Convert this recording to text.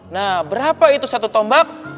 nah berapa itu satu tombak